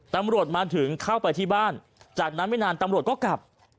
ตำรวจมาถึงเข้าไปที่บ้านจากนั้นไม่นานตำรวจก็กลับ